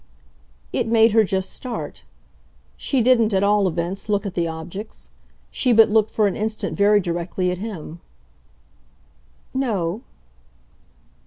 It made her just start. She didn't, at all events, look at the objects; she but looked for an instant very directly at him. "No."